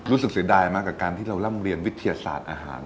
เสียดายมากกับการที่เราร่ำเรียนวิทยาศาสตร์อาหาร